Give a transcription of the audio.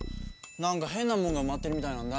なんかへんなもんがうまってるみたいなんだ。